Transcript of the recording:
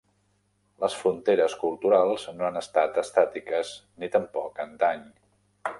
Les fronteres culturals no han estat estàtiques, ni tampoc antany.